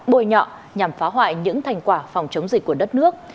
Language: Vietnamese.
bôi nhọ nhằm phá hoại những thành quả phòng chống dịch của đất nước